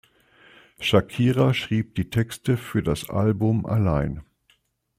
Shakira schrieb die Texte für das Album allein.